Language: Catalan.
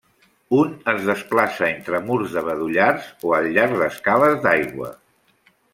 Un es desplaça entre murs de bedollars o al llarg d'escales d'aigua.